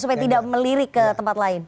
supaya tidak melirik ke tempat lain